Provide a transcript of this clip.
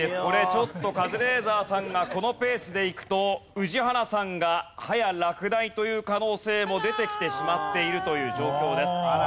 ちょっとカズレーザーさんがこのペースでいくと宇治原さんがはや落第という可能性も出てきてしまっているという状況です。